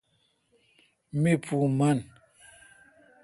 می پو من۔